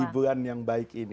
di bulan yang baik ini